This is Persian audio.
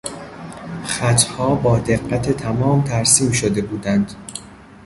خطها با دقت تمام ترسیم شده بودند.